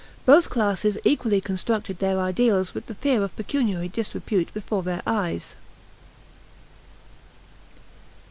Both classes equally constructed their ideals with the fear of pecuniary disrepute before their eyes.